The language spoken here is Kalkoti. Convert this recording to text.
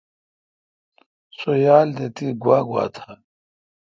سو یال تہ تی گوا گوا تھال ؟